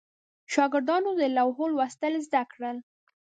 شاګردانو ته د لوحو لوستل زده کړل.